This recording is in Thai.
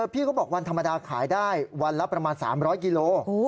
พี่เขาบอกวันธรรมดาขายได้วันละประมาณ๓๐๐กิโล